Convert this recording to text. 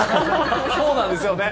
そうなんですよね。